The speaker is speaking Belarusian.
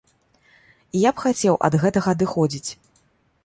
І я б хацеў ад гэтага адыходзіць.